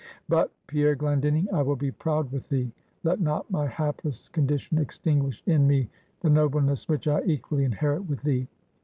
"But, Pierre Glendinning, I will be proud with thee. Let not my hapless condition extinguish in me, the nobleness which I equally inherit with thee.